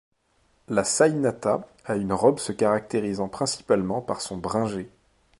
La Saïnata a une robe se caractérisant principalement par son bringé.